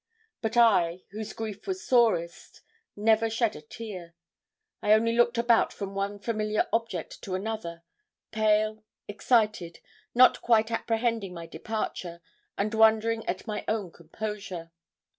But I, whose grief was sorest, never shed a tear. I only looked about from one familiar object to another, pale, excited, not quite apprehending my departure, and wondering at my own composure.